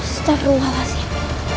sudah berubah lah sih